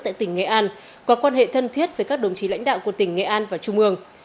tại tỉnh nghệ an qua quan hệ thân thiết với các đồng chí lãnh đạo của tỉnh nghệ an và trung ương